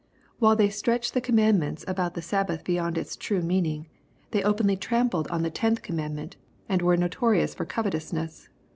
While they stretched the commandment about the Sabbath beyond its true meaning, they openly trampled oo 160 EXPOSITORY THOUGHTS. the tenth commandment, and were notorious for gov etousness.